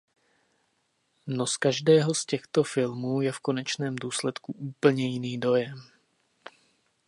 No z každého z těchto filmů je v konečném důsledku úplně jiný dojem.